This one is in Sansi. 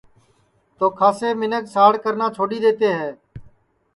تو کھاسے منکھ ساڑ کرنا